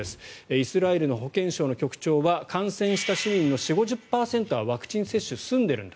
イスラエルの保健省の局長は感染した市民の４０５０％はワクチン接種が済んでいるんだ。